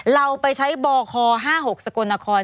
เราไปใช้บค๕๖สกลนคร